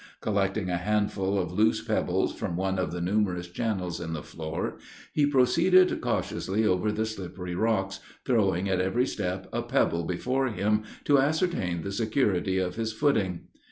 Collecting a handful of loose pebbles from one of the numerous channels in the floor, he proceeded cautiously over the slippery rocks, throwing at every step a pebble before him, to ascertain the security of his footing.